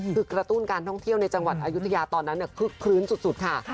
คือกระตุ้นการท่องเที่ยวในจังหวัดอายุทยาตอนนั้นคึกคลื้นสุดค่ะ